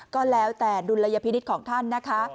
ก็แล้วแต่ดุลยพินิษฐ์ของท่านนะคะ